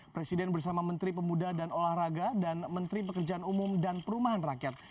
presiden bersama menteri pemuda dan olahraga dan menteri pekerjaan umum dan perumahan rakyat